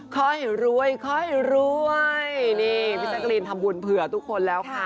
ค่อยรวยพี่ชะกรีนทำบุญเผื่อทุกคนแล้วค่ะ